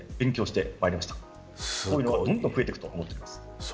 こういうのがどんどん増えていくと思います。